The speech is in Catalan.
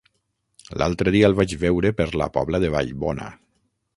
L'altre dia el vaig veure per la Pobla de Vallbona.